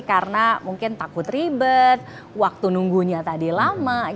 karena mungkin takut ribet waktu nunggunya tadi lama